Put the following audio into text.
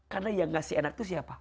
karena yang ngasih enak tuh siapa